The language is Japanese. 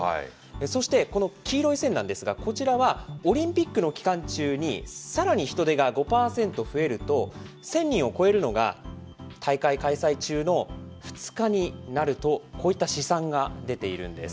そして、この黄色い線なんですが、こちらはオリンピックの期間中に、さらに人出が５％増えると、１０００人を超えるのが、大会開催中の２日になると、こういった試算が出ているんです。